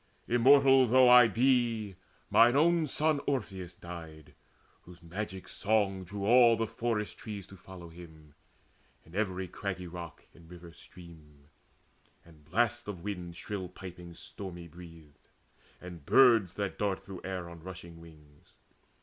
Immortal though I be, Mine own son Orpheus died, whose magic song Drew all the forest trees to follow him, And every craggy rock and river stream, And blasts of winds shrill piping stormy breathed, And birds that dart through air on rushing wings.